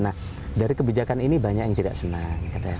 nah dari kebijakan ini banyak yang tidak senang